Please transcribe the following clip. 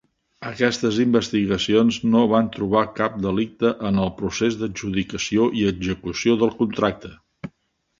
Aquestes investigacions no van trobar cap delicte en el procés d'adjudicació i execució del contracte.